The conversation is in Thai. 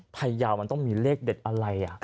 พยาวมันต้องมีเลขเด็ดอะไร